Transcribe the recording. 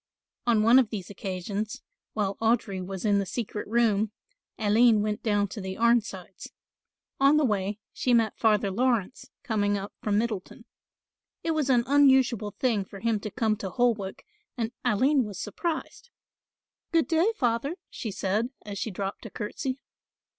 On one of these occasions, while Audry was in the secret room, Aline went down to the Arnsides. On the way she met Father Laurence coming up from Middleton. It was an unusual thing for him to come to Holwick and Aline was surprised. "Good day, Father," she said, as she dropped a curtsey.